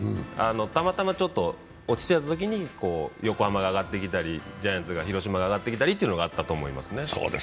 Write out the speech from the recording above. たまたまちょっと落ちてたときに横浜が上がってきたり、ジャイアンツ、広島が上がってきたりっていうのがありましたね。